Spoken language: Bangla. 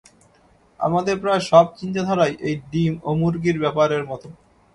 আমাদের প্রায় সব চিন্তাধারাই এই ডিম ও মুরগীর ব্যাপারের মত।